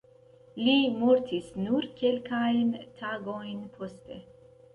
Li mortis nur kelkajn tagojn poste.